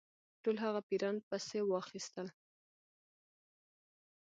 ټول هغه پیران پسي واخیستل.